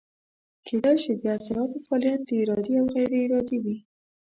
کیدای شي د عضلاتو فعالیت ارادي او یا غیر ارادي وي.